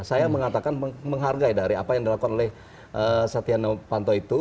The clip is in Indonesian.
saya mengatakan menghargai dari apa yang dilakukan oleh setia novanto itu